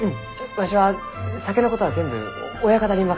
わしは酒のことは全部親方に任せますき。